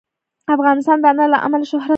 افغانستان د انار له امله شهرت لري.